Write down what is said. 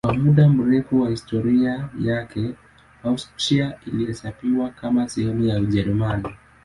Kwa muda mrefu wa historia yake Austria ilihesabiwa kama sehemu ya Ujerumani.